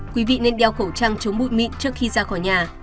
quý vị nên đeo khẩu trang chống bụi mịn trước khi ra khỏi nhà